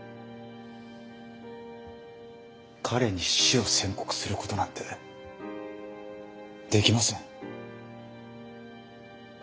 彼に死を宣告することなんてできません。